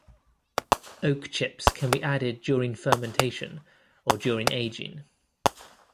Oak chips can be added during fermentation or during aging.